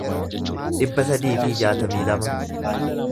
dhibba sadii fi jaatamii lama